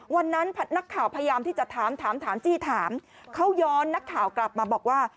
นักข่าวพยายามที่จะถามถามจี้ถามเขาย้อนนักข่าวกลับมาบอกว่า